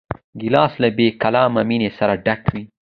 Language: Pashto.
ګیلاس له بېکلامه مینې سره ډک وي.